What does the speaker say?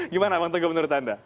gimana bang teguh menurut anda